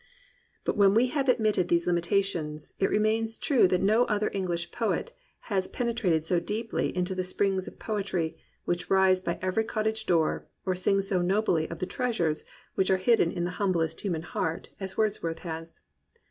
But when we have admitted these limitations, it remains true that no other English poet has pene trated so deeply into the springs of poetry which rise by every cottage door, or sung so nobly of the treasures which are hidden in the humblest human heart, as Wordsworth has.